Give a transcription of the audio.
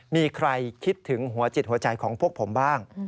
มีใครคิดถึงหัวจิตหัวใจของพวกผมบ้าง